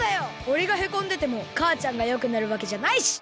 おれがへこんでてもかあちゃんがよくなるわけじゃないし！